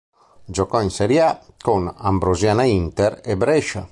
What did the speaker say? Giocò in Serie A con Ambrosiana-Inter e Brescia.